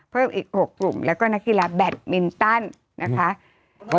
เพิ่มอีก๖กลุ่มแล้วก็นักกีฬาแบตมินตันนะคะ